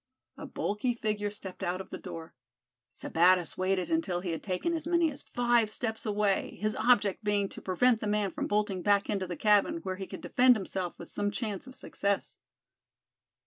A bulky figure stepped out of the door. Sebattis waited until he had taken as many as five steps away, his object being to prevent the man from bolting back into the cabin, where he could defend himself with some chance of success.